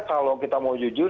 kalau kita mau jujur